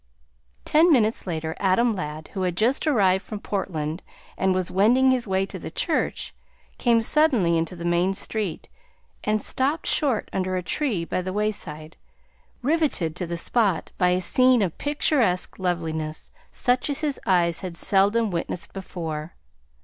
Ten minutes later, Adam Ladd, who had just arrived from Portland and was wending his way to the church, came suddenly into the main street and stopped short under a tree by the wayside, riveted to the spot by a scene of picturesque loveliness such as his eyes had seldom witnessed before.